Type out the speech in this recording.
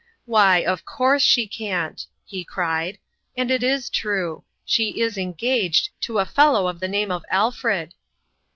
"Why, of course she can't!" he cried. " And it is true. She is engaged to a fellow of the name of Alfred."